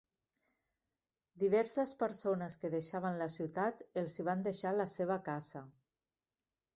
Diverses persones que deixaven la ciutat els hi van deixar la seva casa.